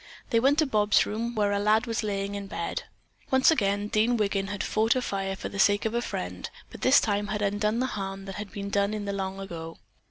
They went to Bobs' room, where a lad was lying in bed. Once again Dean Wiggin had fought a fire for the sake of a friend, but this time had undone the harm that had been done in the long ago.